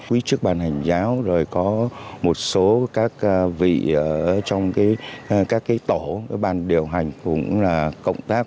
quý chức bàn hành giáo rồi có một số các vị trong cái tổ cái bàn điều hành cũng là cộng tác